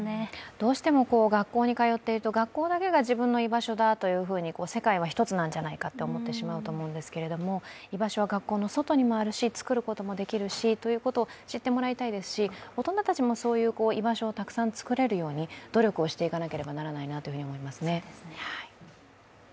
どうしても学校に通っていると、学校だけが自分の居場所だ、世界は一つなんじゃないかと思ってしまうと思うんですけれども居場所は学校の外にもあるし、作ることもできるしということをそういうことを知ってもらいたいですし子供たちもそういう居場所をたくさん作れるように、努力をしていかなければならないと思いますね。